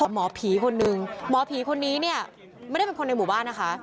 หมอผีคนนึงหมอผีคนนี้เนี่ยไม่ได้เป็นคนในหมู่บ้านนะคะ